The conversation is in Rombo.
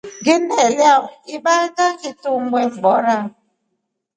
Ngindelye ibanga ngitumbwe mboora.